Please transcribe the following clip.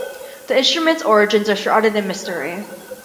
The instrument's origins are shrouded in mystery.